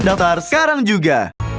daftar sekarang juga